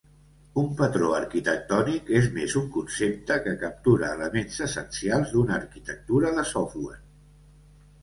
Un patró arquitectònic és més un concepte que captura elements essencials d'una arquitectura de software.